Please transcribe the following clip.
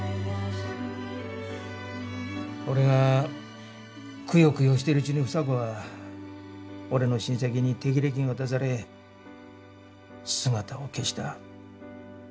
俺がくよくよしてるうちに房子は俺の親戚に手切れ金渡され姿を消した。